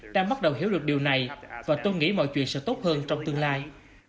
đang bắt đầu hiểu được điều này và tôi nghĩ mọi chuyện sẽ tốt hơn trong tương lai